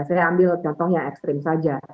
saya ambil contohnya ekstrim saja